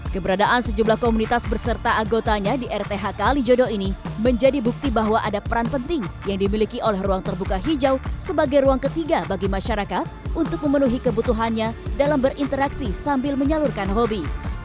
keberadaan sejumlah komunitas berserta agotanya di rth kalijodo ini menjadi bukti bahwa ada peran penting yang dimiliki oleh ruang terbuka hijau sebagai ruang ketiga bagi masyarakat untuk memenuhi kebutuhannya dalam berinteraksi sambil menyalurkan hobi